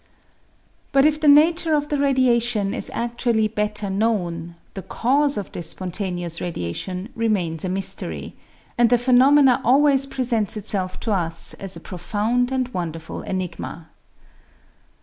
But if the nature of the radiation is aftually better known, the cause of this spontaneous radiation remains a mystery, and the phenomena always presents itself to us as a profound and wonderful enigma.